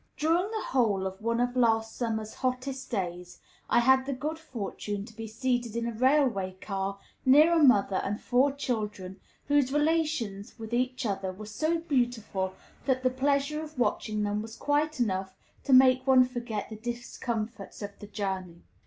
During the whole of one of last summer's hottest days I had the good fortune to be seated in a railway car near a mother and four children, whose relations with each other were so beautiful that the pleasure of watching them was quite enough to make one forget the discomforts of the journey.